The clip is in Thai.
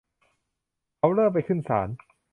เขาเริ่มไปขึ้นศาล